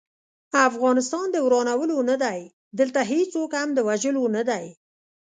افغانستان د ورانولو نه دی، دلته هيڅوک هم د وژلو نه دی